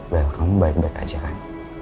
well kamu baik baik aja kan